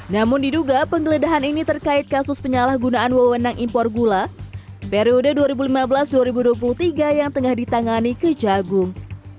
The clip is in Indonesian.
namun diduga penggeledahan ini terkait kasus penyalahgunaan wewenang impor gula periode dua ribu lima belas dua ribu dua puluh tiga yang tengah ditangani kejagung